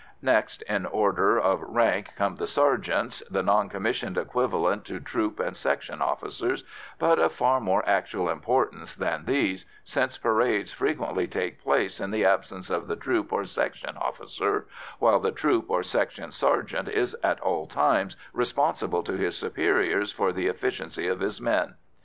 Next in order of rank come the sergeants, the non commissioned equivalent to troop and section officers, but of far more actual importance than these, since parades frequently take place in the absence of the troop or section officer, while the troop or section sergeant is at all times responsible to his superiors for the efficiency of his men.